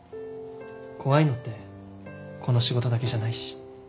怖いのってこの仕事だけじゃないし。